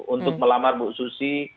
untuk melamar bu susi